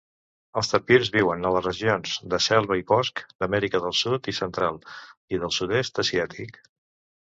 Els tapirs viuen a les regions de selva i bosc d'Amèrica del Sud i Central i del Sud-est Asiàtic.